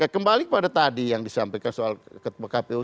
kembali pada tadi yang disampaikan soal kpu